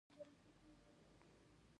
زماني واټن زیاتېږي توفیق کم شي.